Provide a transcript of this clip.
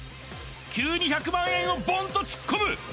急に１００万円をボン！と突っ込む！